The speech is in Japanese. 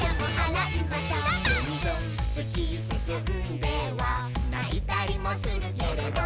「ないたりもするけれど」